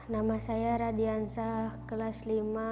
nama saya radiansah kelas lima